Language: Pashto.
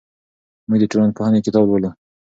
موږ د ټولنپوهنې کتاب لولو.